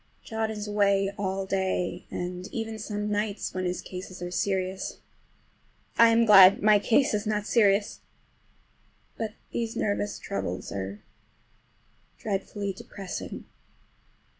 John is away all day, and even some nights when his cases are serious. I am glad my case is not serious! But these nervous troubles are dreadfully depressing.